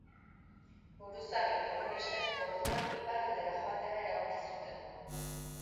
Buruzagi komunistek, orduan, iparraldera joatea erabaki zuten.